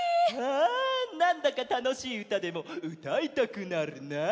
うんなんだかたのしいうたでもうたいたくなるな。